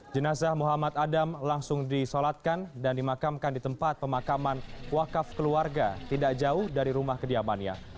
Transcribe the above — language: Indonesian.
jenazah muhammad adam langsung disolatkan dan dimakamkan di tempat pemakaman wakaf keluarga tidak jauh dari rumah kediamannya